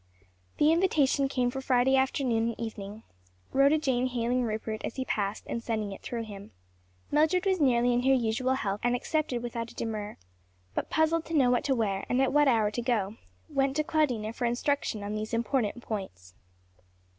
The invitation came for Friday afternoon and evening; Rhoda Jane hailing Rupert as he passed and sending it through him. Mildred was nearly in her usual health and accepted without a demur; but puzzled to know what to wear, and at what hour to go, went to Claudina for instruction on these important points.